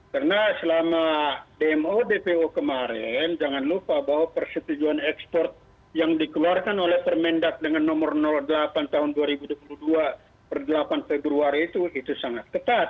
karena selama dmo dpo kemarin jangan lupa bahwa persetujuan ekspor yang dikeluarkan oleh permendat dengan nomor delapan tahun dua ribu dua puluh dua delapan februari itu itu sangat ketat